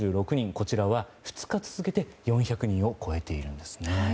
こちらは２日続けて４００人を超えているんですね。